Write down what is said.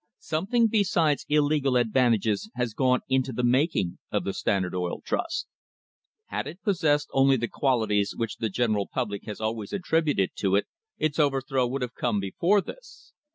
Something besides illegal advantages has gone into the making of the Standard Oil Trust. Had it possessed only the qualities which the general public has always attributed to it, its overthrow would have come before this.